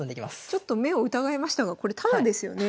ちょっと目を疑いましたがこれタダですよね？